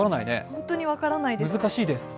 ホントに分からないです。